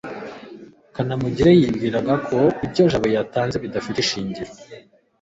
kanamugire yibwiraga ko ibyo jabo yatanze bidafite ishingiro